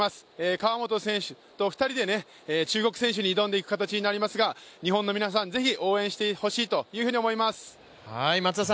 川本選手と２人で中国選手に挑んでいく形になりますが日本の皆さん、ぜひ応援してほしいと思います。